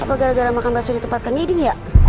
apa gara gara makan bakso di tempat temidik ya